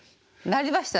なりましたね。